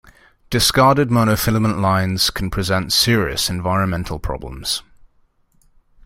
Discarded monofilament lines can present serious environmental problems.